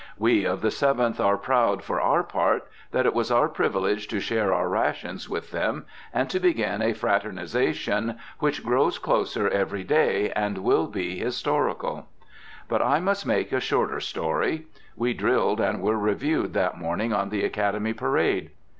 We of the Seventh are proud, for our part, that it was our privilege to share our rations with them, and to begin a fraternization which grows closer every day and will be historical. But I must make a shorter story. We drilled and were reviewed that morning on the Academy parade.